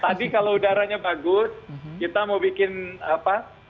tadi kalau udaranya bagus kita mau bikin apa